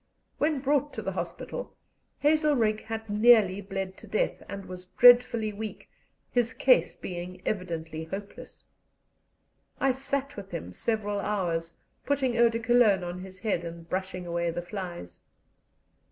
When brought to the hospital, Hazelrigg had nearly bled to death, and was dreadfully weak, his case being evidently hopeless. I sat with him several hours, putting eau de Cologne on his head and brushing away the flies.